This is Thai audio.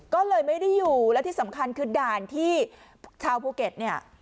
ก็เลยไม่ได้อยู่และที่สำคัญคือด่านที่ชาวภูเก็ตเนี่ย